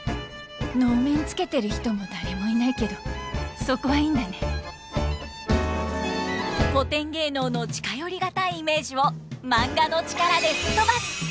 能面つけてる人も誰もいないけどそこはいいんだね古典芸能の近寄り難いイメージをマンガの力でふっとばす！